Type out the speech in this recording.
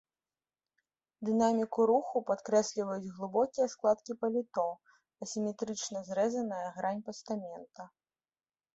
Дынаміку руху падкрэсліваюць глыбокія складкі паліто, асіметрычна зрэзаная грань пастамента.